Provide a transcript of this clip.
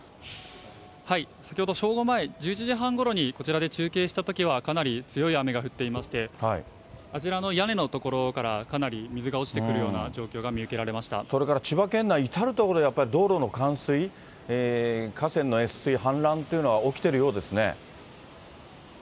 先ほど正午前、１１時半ごろに、こちらで中継したときはかなり強い雨が降っていまして、あちらの屋根の所からかなり水が落ちてくるような状況が見受けらそれから千葉県内、至る所で道路の冠水、河川の越水、氾濫というのは起きているようですね。